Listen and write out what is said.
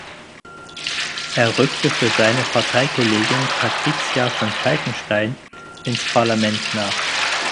Er rückte für seine Parteikollegin Patricia von Falkenstein ins Parlament nach.